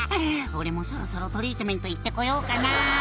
「俺もそろそろトリートメント行って来ようかなぁ」